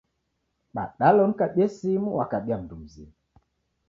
Badala unikabie simu w'akabia mundu mzima